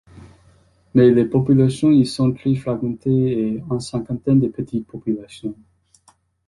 Mais les populations y sont très fragmentées en une cinquantaine de petites populations.